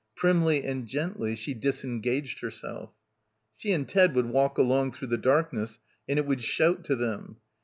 Primly and gently she disengaged herself. She and Ted would walk along through the darkness and it would shout to them.